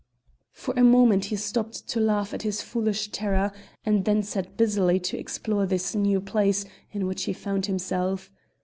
For a moment he stopped to laugh at his foolish terror, and then set busily to explore this new place in which he found himself.